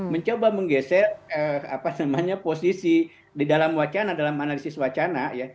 mencoba menggeser posisi di dalam wacana dalam analisis wacana